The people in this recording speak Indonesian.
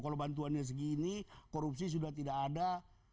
kalau bantuannya segini korupsi sudah tidak ada